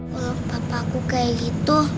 kalau papaku kayak gitu